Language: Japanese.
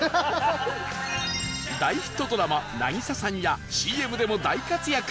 大ヒットドラマ『ナギサさん』や ＣＭ でも大活躍